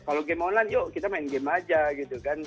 kalau game online yuk kita main game aja gitu kan